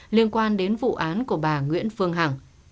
liên quan đến vụ án của bà nguyễn phương hằng